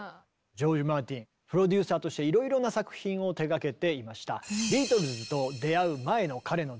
ジョージ・マーティンプロデューサーとしていろいろな作品を手がけていました。